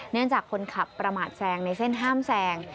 เนื่องจากคนขับประมาทแซงในเส้นห้ามแซง